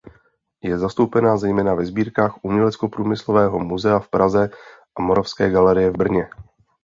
Je zastoupena zejména ve sbírkách Uměleckoprůmyslového musea v Praze a Moravské galerie v Brně.